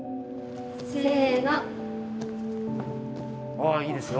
あいいですよ。